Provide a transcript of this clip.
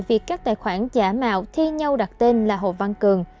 việc các tài khoản giả mạo thi nhau đặt tên là hồ văn cường